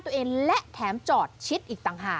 สุดทนแล้วกับเพื่อนบ้านรายนี้ที่อยู่ข้างกัน